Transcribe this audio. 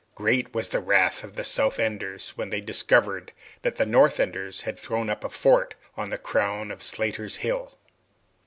Great was the wrath of the South Enders, when they discovered that the North Enders had thrown up a fort on the crown of Slatter's Hill.